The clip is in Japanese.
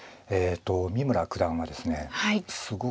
三村九段はですね